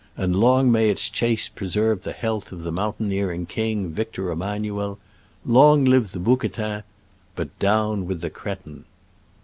and long may its chase preserve the health of the mountaineering king, Victor Emmanuel ! Long life to the bouquetin ! but down with the cretin